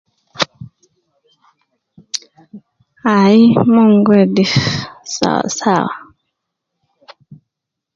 Ai mon gi wedi sawa sawa